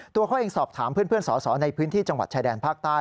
ตัวเขาเองสอบถามเพื่อนสอสอในพื้นที่จังหวัดชายแดนภาคใต้